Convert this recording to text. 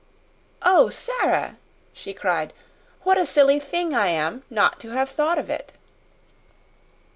"Oh, Sara!" she cried. "What a silly thing I am not to have thought of it!"